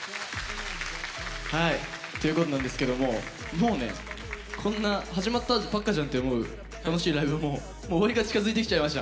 ということなんですけどももうねこんな始まったばっかじゃんって思う楽しいライブも終わりが近づいてきちゃいました。